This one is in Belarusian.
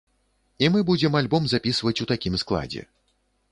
І мы будзем альбом запісваць у такім складзе.